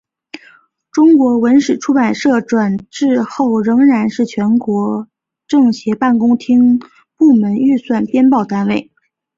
中国文史出版社转制后仍然是全国政协办公厅的部门预算编报单位。